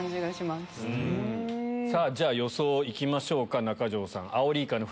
さぁ予想行きましょうか中条さん。